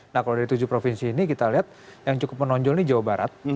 nah kalau dari tujuh provinsi ini kita lihat yang cukup menonjol ini jawa barat